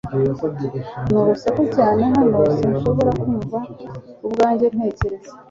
Ni urusaku cyane hano sinshobora kumva ubwanjye ntekereza